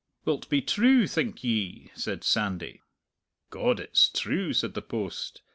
"Will't be true, think ye?" said Sandy. "God, it's true," said the post.